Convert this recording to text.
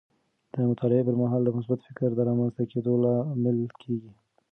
د مطالعې پر مهال د مثبت فکر د رامنځته کیدو لامل کیږي.